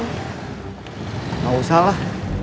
gak usah lah